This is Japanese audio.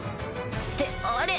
ってあれ？